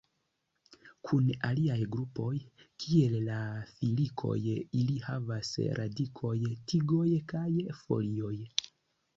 Kun aliaj grupoj, kiel la filikoj, ili havas radikoj, tigoj kaj folioj.